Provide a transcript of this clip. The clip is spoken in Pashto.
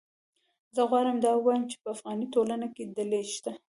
زه غواړم دا ووایم چې په افغاني ټولنه کې ډلې شته